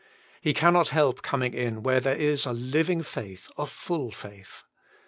He cannot help coming where there is a living faith, a full faith.